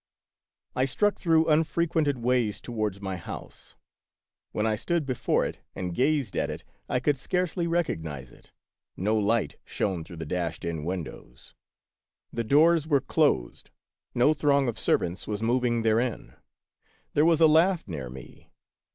I struck through unfrequented ways towards my house. When . I stood before it and gazed at it, I could scarcely recognize it. No light shone through the dashed in windows ; the doors were closed; no throng of servants was mov ing therein. There was a laugh near me.